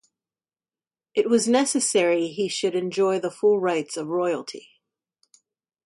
It was necessary he should enjoy the full rights of royalty.